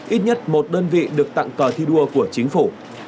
ít nhất một đơn vị được tặng cờ thi đua của chính phủ